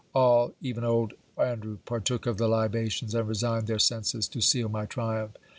All, even old Andrew, partook of the libations; and resigned their senses, to seal my triumph.